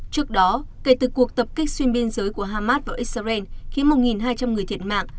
trước đó kể từ cuộc tập kích xuyên biên giới của hamas vào israel khiến một hai trăm linh người thiệt mạng